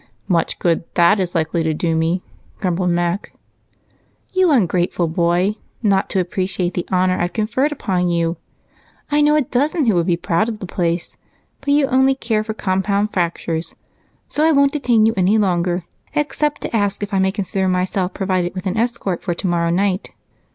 "Much good that is likely to do me," grumbled Mac. "You ungrateful boy, not to appreciate the honor I've conferred upon you! I know a dozen who would be proud of the place, but you only care for compound fractures, so I won't detain you any longer, except to ask if I may consider myself provided with an escort for tomorrow night?"